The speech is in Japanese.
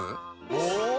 お！